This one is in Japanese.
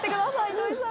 糸井さん